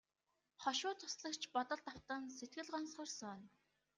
Хошуу туслагч бодолд автан сэтгэл гонсгор сууна.